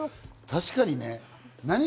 確かにね。